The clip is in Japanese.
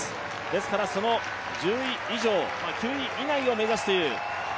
ですからその１０位以上、９位以内を目指すという。